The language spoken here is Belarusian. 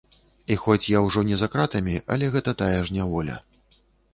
І хоць я ўжо не за кратамі, але гэта тая ж няволя.